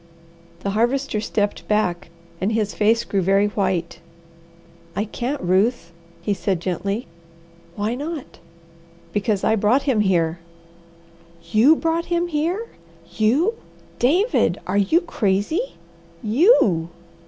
The Harvester stepped back, and his face grew very white. "I can't, Ruth," he said gently. "Why not?" "Because I brought him here." "You brought him here! You! David, are you crazy? You!"